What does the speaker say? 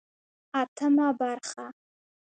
اتمه برخه